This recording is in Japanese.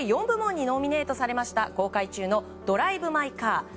４部門にノミネートされました公開中の「ドライブ・マイ・カー」。